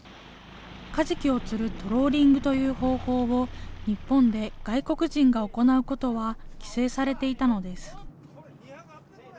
カジキを釣るトローリングという方法を日本で外国人が行うことは規制されていたのです。